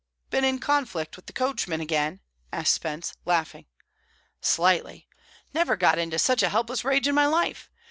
"Been in conflict with coachmen again?" asked Spence, laughing. "Slightly! Never got into such a helpless rage in my life.